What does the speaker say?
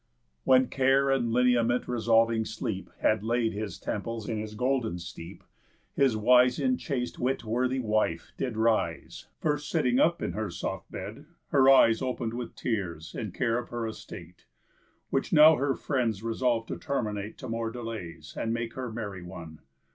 When care and lineament resolving sleep Had laid his temples in his golden steep, His wise in chaste wit worthy wife did rise, First sitting up in her soft bed, her eyes Open'd with tears, in care of her estate, Which now her friends resolv'd to terminate To more delays, and make her marry one.